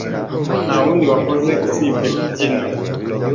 Ntawundi wakoze usibye kubyina